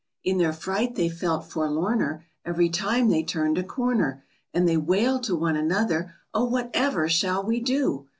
In their fright they felt forlorner Every time they turned a corner, And they wailed to one another, "Oh, whatever shall we do?